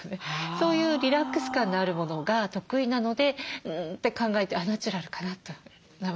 そういうリラックス感のあるものが得意なのでうんって考えてナチュラルかなと名前を付けました。